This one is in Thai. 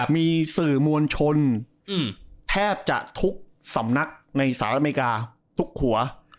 มีสื่อมวลชนแทบจะทุกสำนักในสหรัฐอเมริกาทุกหัว